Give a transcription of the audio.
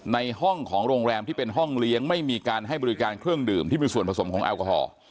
ในห้องของโรงแรมที่เป็นห้องเลี้ยงไม่มีการให้บริการเครื่องดื่มที่มีส่วนผสมของแอลกอฮอล์